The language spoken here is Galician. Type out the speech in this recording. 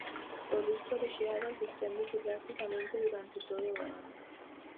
O risco de xeadas esténdese practicamente durante todo o ano.